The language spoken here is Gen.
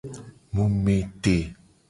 Mu me te.